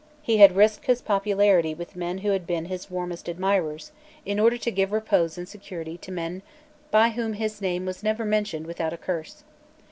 He had risked his popularity with men who had been his warmest admirers, in order to give repose and security to men by whom his name was never mentioned without a curse.